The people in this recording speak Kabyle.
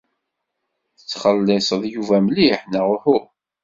Tettxelliṣeḍ Yuba mliḥ, neɣ uhu?